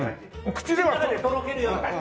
口の中でとろけるような感じ。